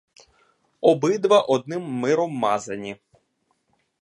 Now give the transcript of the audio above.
Обидва одним миром мазані.